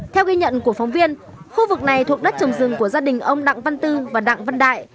theo ghi nhận của phóng viên khu vực này thuộc đất trồng rừng của gia đình ông đặng văn tư và đặng văn đại